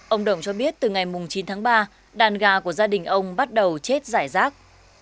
ông đồng cho biết từ ngày chín tháng ba đàn gà của gia đình ông bắt đầu chết giải rác